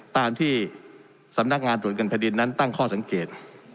ตามที่สำนักงานตรวจเงินแผ่นดินนั้นตั้งข้อสังเกต